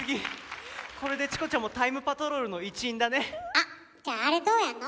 あっじゃああれどうやんの？